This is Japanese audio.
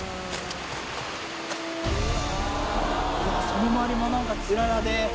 その周りもなんかつららで。